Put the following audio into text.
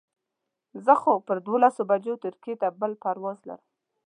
زه خو په دولس بجو ترکیې ته بل پرواز لرم.